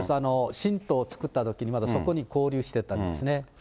新党を作ったときに、まだそこに交流してたんです